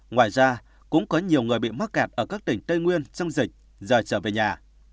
ngoài ra cũng có nhiều người bị mắc kẹt ở các tỉnh tây nguyên sông dịch rời trở về nhà